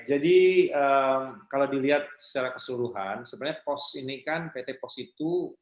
jadi kalau dilihat secara keseluruhan sebenarnya pos ini kan pt pos itu